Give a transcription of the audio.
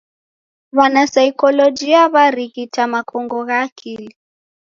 W'anasaikolojia w'arighita makongo gha akili.